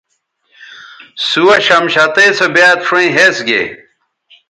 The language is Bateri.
سُوہ شمشتئ سو بیاد شؤیں ھِس گے